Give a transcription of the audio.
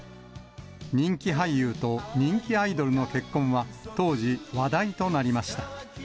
人気俳優と人気アイドルの結婚は、当時、話題となりました。